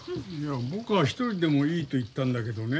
僕は一人でもいいと言ったんだけどね